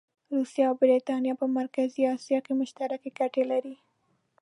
روسیه او برټانیه په مرکزي اسیا کې مشترکې ګټې لري.